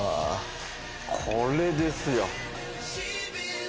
これですよ！